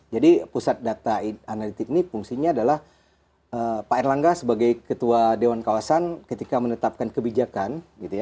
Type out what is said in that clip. jadi pusat data analitik ini fungsinya adalah pak erlangga sebagai ketua dewan kawasan ketika menetapkan kebijakan